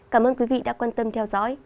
cảm ơn quý vị đã quan tâm theo dõi